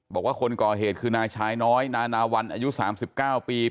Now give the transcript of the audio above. บอกว่าคนก่อเหตุคือนายชายน้อยนานาวันอายุ๓๙ปี